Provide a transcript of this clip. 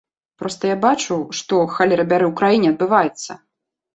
Проста я бачу, што, халера бяры, у краіне адбываецца!